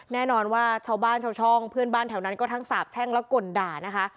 แน่นอนว่าชาวบ้านชาวช่องเพื่อนบ้านแถวนั้นก็ทั้งสาบแช่งและก่นด่านะคะ